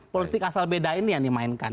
politik asal beda ini yang dimainkan